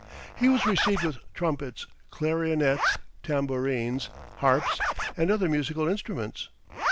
He was received with trumpets, clarionets, tambourines, harps, and other musical instruments.